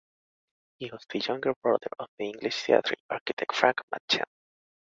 He was the younger brother of the English theatre architect Frank Matcham.